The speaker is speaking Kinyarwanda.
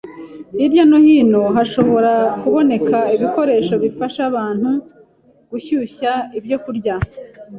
Hirya no hino hashobora kuboneka ibikoresho bifasha abantu gushyushya ibyokurya.